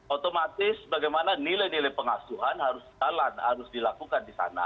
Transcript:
otomatis bagaimana nilai nilai pengasuhan harus jalan harus dilakukan di sana